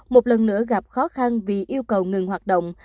một lần nữa gặp khó khăn vì yêu cầu ngừng hoạt động